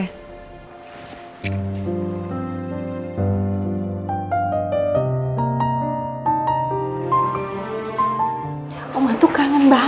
ya mama tuh kangen banget sama rena